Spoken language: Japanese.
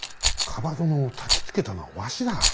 蒲殿をたきつけたのはわしだ。